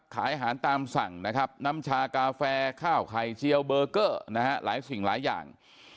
ขายอาหารตามสั่งนะครับน้ำชากาแฟข้าวไข่เจียวเบอร์เกอร์นะฮะหลายสิ่งหลายอย่าง